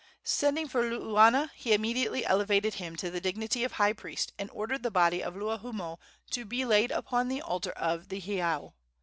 Sending for Luuana, he immediately elevated him to the dignity of high priest, and ordered the body of Luahoomoe to be laid upon the altar of the heiau.